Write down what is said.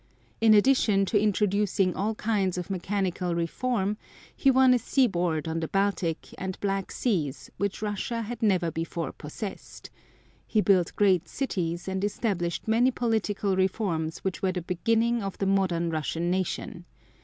In addition to introducing all kinds of mechanical reform he won a seaboard on the Baltic and Black seas which Russia had never before possessed; he built great cities and established many political reforms which were the beginning of the modern Russian nation.